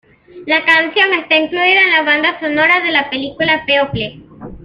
La canción está incluida en la banda sonora de la película People.